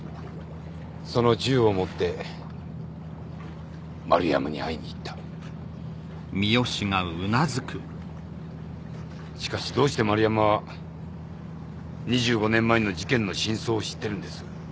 その銃を持って丸山に会いに行ったしかしどうして丸山は２５年前の事件の真相を知ってるんです？